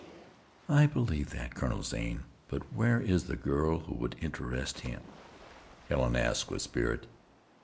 "I believe that, Colonel Zane; but where is the girl who would interest him?" Helen asked with spirit.